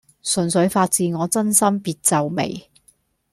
純粹發自我真心別皺眉